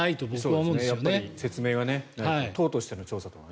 やっぱり説明は党としての調査です。